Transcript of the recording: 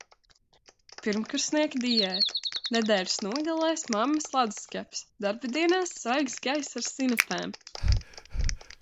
Pirmkursnieka diēta: nedēļas nogalēs mammas ledusskapis, darbdienās svaigs gaiss ar sinepēm.